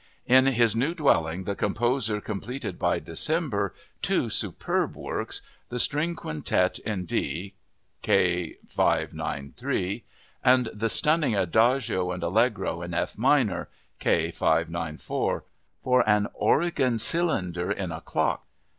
In his new dwelling the composer completed by December two superb works—the String Quintet in D (K. 593) and the stunning Adagio and Allegro in F minor (K. 594) "for an organ cylinder in a clock."